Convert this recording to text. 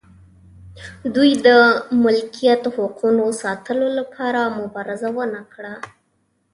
دوی د ملکیت حقونو ساتلو لپاره مبارزه ونه کړه.